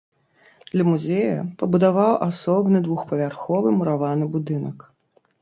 Для музея пабудаваў асобны двухпавярховы мураваны будынак.